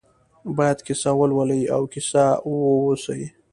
باید کیسه ولولي او کیسه واوسي.